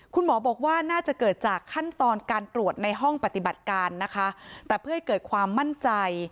คุณหมอบอกว่าน่าจะเกิดจากขั้นตอนการตรวจในห้องปฏิบัติการนะคะแต่เพื่อให้เกิดความมั่นใจ